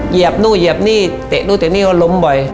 เหยียบนู่นเหยียบนี่เตะนู่นเตะนี่เขาล้มบ่อย